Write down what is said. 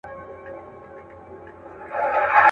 سړي وویل نه غواوي نه اوښان سته.